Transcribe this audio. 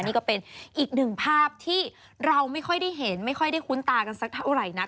นี่ก็เป็นอีกหนึ่งภาพที่เราไม่ค่อยได้เห็นไม่ค่อยได้คุ้นตากันสักเท่าไหร่นัก